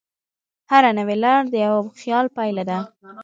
هره نوې لار د یوه خیال پایله ده.